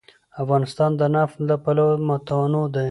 افغانستان د نفت له پلوه متنوع دی.